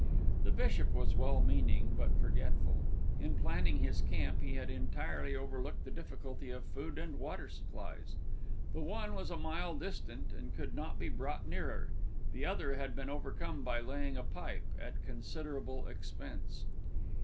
The bishop was well meaning, but forgetful. In planning his camp he had entirely overlooked the difficulty of food and water supplies. The one was a mile distant and could not be brought nearer; the other had been overcome by laying a pipe, at considerable expense.